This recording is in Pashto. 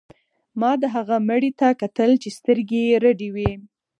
ما د هغه مړي ته کتل چې سترګې یې رډې وې